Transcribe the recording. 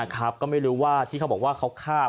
ก็ไม่รู้ว่าที่เขาบอกว่าเขาฆ่า